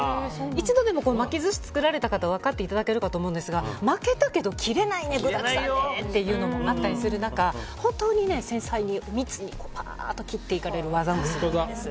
一度でも巻き寿司作られた方は分かっていただけると思うんですが巻けたけど切れない具だくさんで切れないっていうのもあったりする中、本当に繊細に密に切っていかれる技もすごいんです。